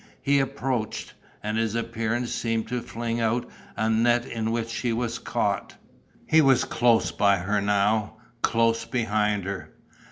He approached; and his appearance seemed to fling out a net in which she was caught. He was close by her now, close behind her.